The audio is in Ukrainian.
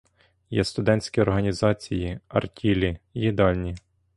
Є студентські організації, артілі, їдальні.